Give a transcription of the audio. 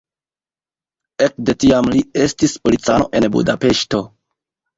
Ekde tiam li estis policano en Budapeŝto.